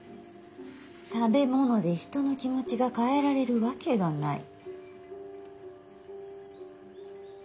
食べ物で人の気持ちが変えられるわけがない。